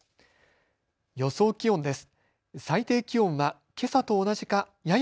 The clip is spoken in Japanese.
予想気温です。